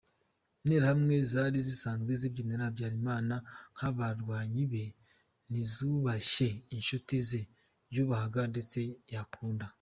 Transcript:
Interahamwe zari zisanzwe zibyinira Habyarimana nk’abarwanyi be, ntizubashye inshuti ze yubahaga ndetse yakunda.